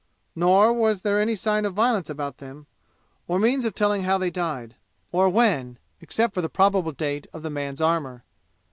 Nor was there any sign of violence about them, or means of telling how they died, or when, except for the probable date of the man's armor.